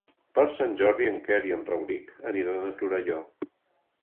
Per Sant Jordi en Quer i en Rauric aniran a Torelló.